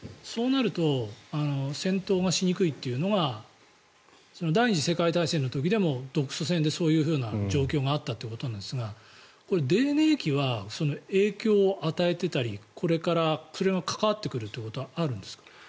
そうなると戦闘がしにくいというのが第２次世界大戦の時でも独ソ戦でそういう状況があったということですが泥濘期は影響を与えていたりこれからそれが関わってくるということはあるんですか？